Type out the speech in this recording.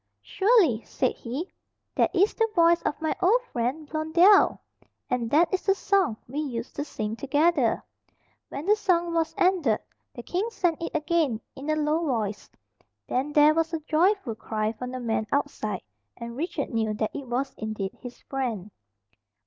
"Surely," said he, "that is the voice of my old friend Blondel, and that is the song we used to sing together." When the song was ended, the king sang it again in a low voice. Then there was a joyful cry from the man outside, and Richard knew that it was indeed his friend.